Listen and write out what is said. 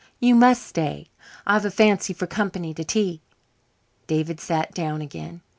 "You must stay. I've a fancy for company to tea." David sat down again.